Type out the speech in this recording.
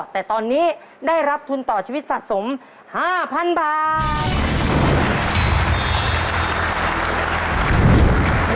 แต่ตอนนี้ได้รับทุนต่อชีวิตสะสม๕๐๐๐บาท